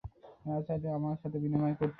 চাইলে আমারটার সাথে বিনিময় করতে পারো।